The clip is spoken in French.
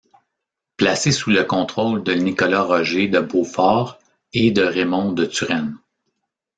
Placée sous le contrôle de Nicolas Roger de Beaufort et de Raymond de Turenne.